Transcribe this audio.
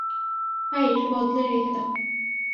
ভাই, এটার বদলে রেখে দাও।